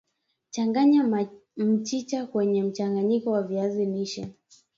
Changanya mchicha kwenye mchanganyiko wa viazi lishe